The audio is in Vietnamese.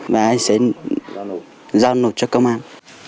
và em sẽ giao nộp cho công an